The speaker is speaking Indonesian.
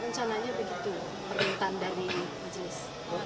rencananya begitu permintaan dari majelis